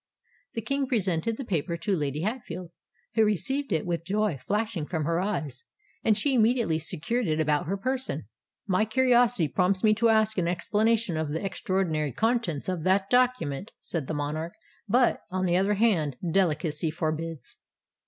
The King presented the paper to Lady Hatfield, who received it with joy flashing from her eyes: and she immediately secured it about her person. "My curiosity prompts me to ask an explanation of the extraordinary contents of that document," said the monarch; "but, on the other hand, delicacy forbids."